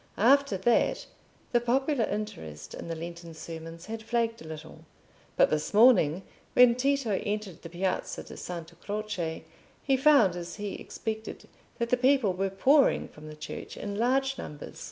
After that, the popular interest in the Lenten sermons had flagged a little. But this morning, when Tito entered the Piazza di Santa Croce, he found, as he expected, that the people were pouring from the church in large numbers.